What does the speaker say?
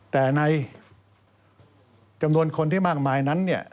แต่ในจำนวนคนที่มากมายนั้นเนี่ย